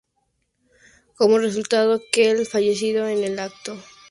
Como resultado Quel falleció en el acto y Tajes resultó herido pero sobrevivió.